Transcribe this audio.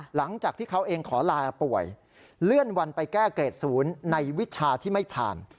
หลังจากที่เขาเองขอลาป่วยเลื่อนวันไปแก้เกรดศูนย์ในวิชาที่ไม่ผ่าน